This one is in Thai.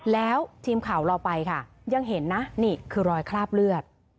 แล้วทีมข่าวเราไปค่ะยังเห็นนะนี่คือรอยคราบเลือด